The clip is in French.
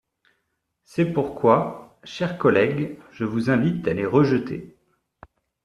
C’est pourquoi, chers collègues, je vous invite à les rejeter.